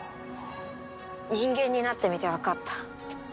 人間になってみてわかった。